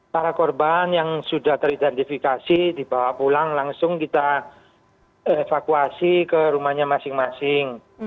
para korban yang sudah teridentifikasi dibawa pulang langsung kita evakuasi ke rumahnya masing masing